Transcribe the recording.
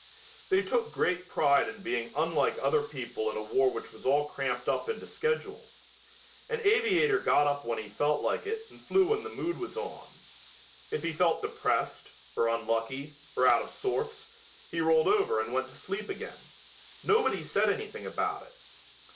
They took great pride in being unlike other people in a war which was all cramped up into schedule. An aviator got up when he felt like it and flew when the mood was on. If he felt depressed, or unlucky, or out of sorts, he rolled over and went to sleep again. Nobody said anything about it.